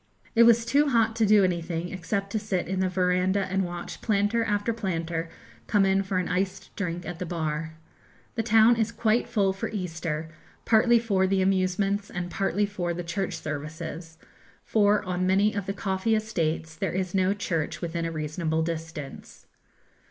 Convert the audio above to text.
It was too hot to do anything except to sit in the verandah and watch planter after planter come in for an iced drink at the bar. The town is quite full for Easter, partly for the amusements and partly for the Church services; for on many of the coffee estates there is no church within a reasonable distance.